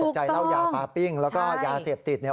ที่นักตกใจเล่ายาปราปปิ้งแล้วก็ยาเสพติดเนี่ย